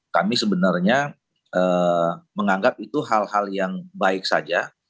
kami sebenarnya menganggap itu hal hal yang baik saja